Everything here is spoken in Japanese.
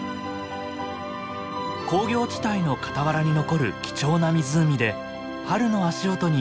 工業地帯の傍らに残る貴重な湖で春の足音に耳を澄ませます。